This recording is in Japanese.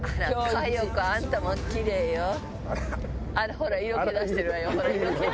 ほら色気出してるわよ。